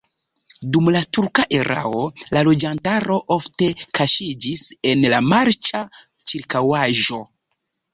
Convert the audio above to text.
Dum la turka erao la loĝantaro ofte kaŝiĝis en la marĉa ĉirkaŭaĵo.